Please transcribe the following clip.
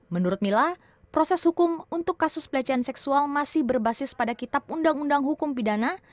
menurut mila proses hukum untuk kasus pelecehan seksual masih berbasis pada kitab undang undang hukum pidana